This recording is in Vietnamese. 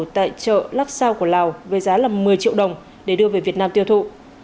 tại chợ lắc sao của lào với giá một mươi triệu đồng để đưa về việt nam tiêu thụ